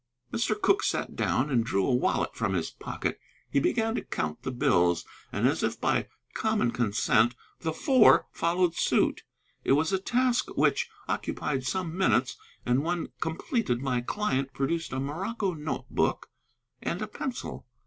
Mr. Cooke sat down and drew a wallet from his pocket. He began to count the bills, and, as if by common consent, the Four followed suit. It was a task which occupied some minutes, and when completed my client produced a morocco note book and a pencil.